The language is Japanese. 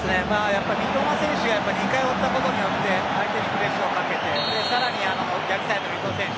三笘選手が入ったことによって相手にプレッシャーをかけて更に逆サイドの伊東選手。